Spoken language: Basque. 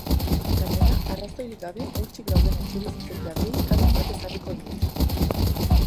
Gainera, arrazoirik gabe hutsik dauden etxebizitzen jabeei kanon bat ezarriko diete.